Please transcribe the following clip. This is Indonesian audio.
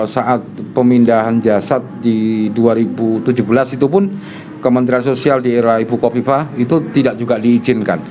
saat pemindahan jasad di dua ribu tujuh belas itu pun kementerian sosial di era ibu kofifa itu tidak juga diizinkan